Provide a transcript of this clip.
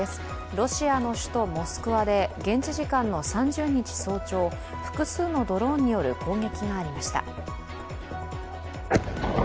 ロシアの首都モスクワで現地時間３０日早朝、複数のドローンによる攻撃がありました。